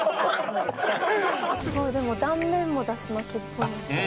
すごいでも断面もだし巻きっぽいですね。